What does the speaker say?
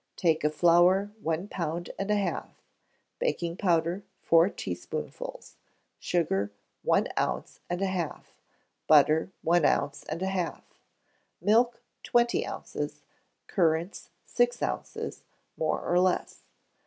Take of flour one pound and a half; baking powder, four teaspoonfuls; sugar, one ounce and a half; butter, one ounce and a half; milk, twenty ounces; currants, six ounces, more or less.